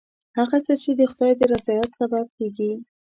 هغه څه چې د خدای د رضایت سبب کېږي.